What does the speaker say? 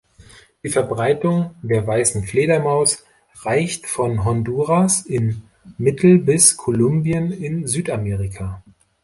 Die Verbreitung der Weißen Fledermaus reicht von Honduras in Mittel- bis Kolumbien in Südamerika.